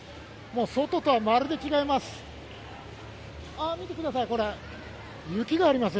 もう外とはまるで違います。